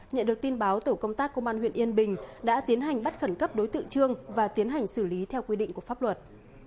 nhận được tin báo tổ công tác công an huyện yên bình đã tiến hành bắt khẩn cấp đối tượng trương và tiến hành xử lý theo quy định của pháp luật